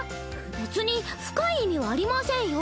別に深い意味はありませんよ。